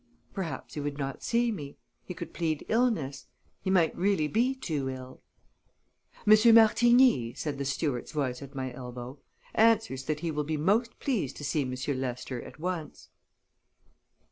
Perhaps he would not see me; he could plead illness; he might be really too ill. "Monsieur Martigny," said the steward's voice at my elbow, "answers that he will be most pleased to see Monsieur Lester at once."